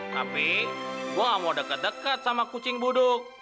tapi gue gak mau deket deket sama kucing buduk